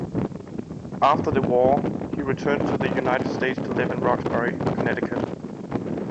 After the war, he returned to the United States to live in Roxbury, Connecticut.